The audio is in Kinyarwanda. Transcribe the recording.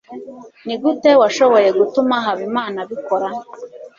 Nigute washoboye gutuma Habimana abikora?